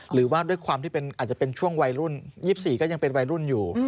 หรือว่าด้วยความที่อาจจะเป็นช่วงวัยรุ่น๒๔ก็ยังเป็นวัยรุ่นอยู่